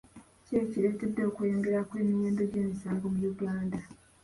Ki ekireetedde okweyongera kw'emiwendo gy'emisango mu Uganda?